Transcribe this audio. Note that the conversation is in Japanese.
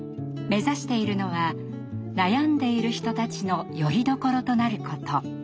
目指しているのは悩んでいる人たちのよりどころとなること。